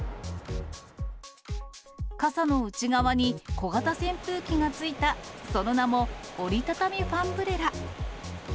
傘の内側に小型扇風機がついた、その名も、折りたたみファンブレラ。